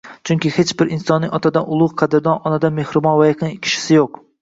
Chunki hech bir insonning otadan ulug‘, qadrdon, onadan mehribon va yaqin kishisi yuq